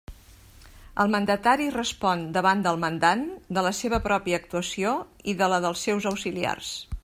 El mandatari respon davant del mandant de la seva pròpia actuació i de la dels seus auxiliars.